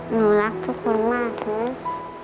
หนูรักทุกคนมากเลย